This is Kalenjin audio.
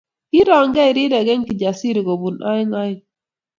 Kirongekei rirek eng Kijasiri kobun oeng oeng